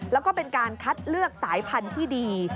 แล้วก็เป็นการคัดเลือกสายพันธุ์ที่ดี